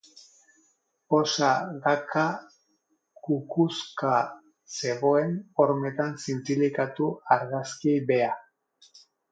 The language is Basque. Posa Ngaka kukuzka zegoen, hormetan zintzilikatu argazkiei beha.